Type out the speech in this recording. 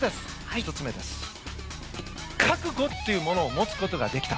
１つ目、覚悟というものを持つことができた。